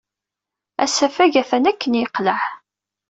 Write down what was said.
Asafag atan akken yeqleɛ.